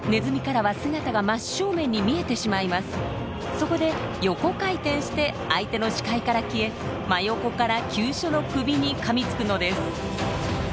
そこで横回転して相手の視界から消え真横から急所の首にかみつくのです。